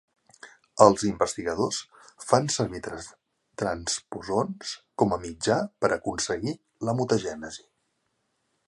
Els investigadors fan servir transposons com a mitjà per aconseguir la mutagènesi.